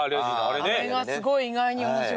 あれがすごい意外に面白かった。